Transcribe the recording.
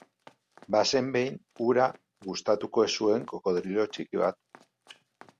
Bazen behin ura gustuko ez zuen krokodilo txiki bat.